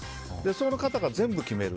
その方が全部決める。